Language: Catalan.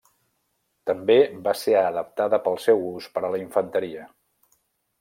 També va ser adaptada per al seu ús per a la infanteria.